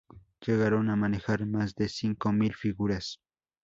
Llegaron a manejar más de cinco mil figuras.